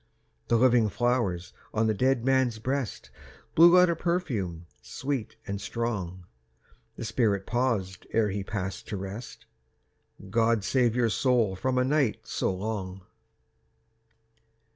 The living flowers on the dead man's breast Blew out a perfume sweet and strong. The spirit paused ere he passed to rest— "God save your soul from a night so long."